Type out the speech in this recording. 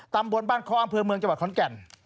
ตามบนบ้านข้ออำเภอเมืองจบัทย์ข้อนแก่น